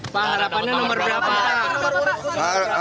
pak harapannya nomor berapa